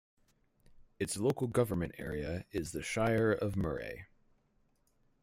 Its local government area is the Shire of Murray.